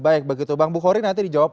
baik begitu bang bukhori nanti dijawab